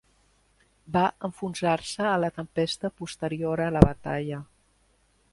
Va enfonsar-se a la tempesta posterior a la batalla.